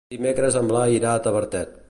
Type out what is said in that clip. Dimecres en Blai irà a Tavertet.